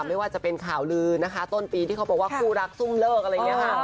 ไม่ว่าจะเป็นข่าวลือนะคะต้นปีที่เค้าบอกว่าครูรักศุ่มิเลิกที